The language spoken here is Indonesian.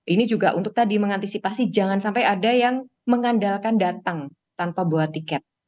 ini juga untuk tadi mengantisipasi jangan sampai ada yang mengandalkan datang tanpa bawa tiket